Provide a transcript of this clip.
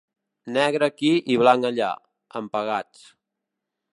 Negre aquí i blanc allà, en pegats.